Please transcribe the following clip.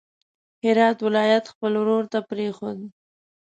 هرات ولایت خپل ورور ته پرېښود.